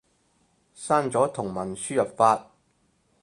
刪咗同文輸入法